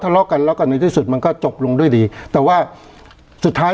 ทะเลาะกันแล้วก็ในที่สุดมันก็จบลงด้วยดีแต่ว่าสุดท้าย